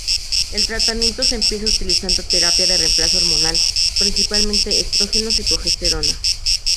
El tratamiento se empieza utilizando terapia de remplazo hormonal, principalmente estrógenos y progesterona.